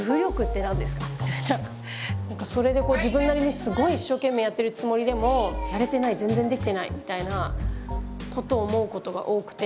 なんかそれで自分なりにすごい一生懸命やってるつもりでも「やれてない全然できてない」みたいなことを思うことが多くて。